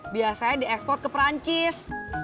biasanya diekspor ke perancis